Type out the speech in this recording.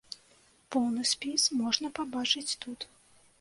Поўны спіс можна пабачыць тут.